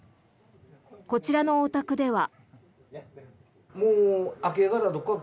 こちらのお宅では。